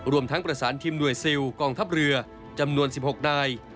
รวมทั้งประสานทีมหน่วยซิลกองทัพเรือจำนวน๑๖นาย